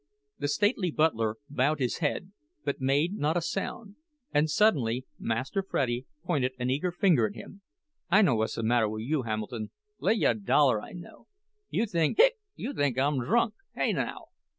The stately butler bowed his head, but made not a sound; and suddenly Master Freddie pointed an eager finger at him. "I know whuzzamatter wiz you, Hamilton—lay you a dollar I know! You think—hic—you think I'm drunk! Hey, now?"